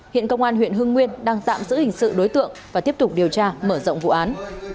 hiện công an huyện hưng nguyên đang tạm giữ hình sự đối tượng và tiếp tục điều tra mở rộng vụ án